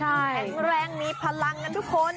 แข็งแรงมีพลังกันทุกคน